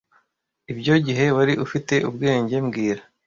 Ibyo gihe wari ufite ubwenge mbwira